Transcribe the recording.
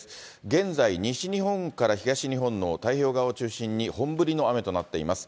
現在、西日本から東日本の太平洋側を中心に、本降りの雨となっています。